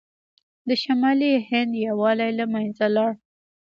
د شمالي هند یووالی له منځه لاړ.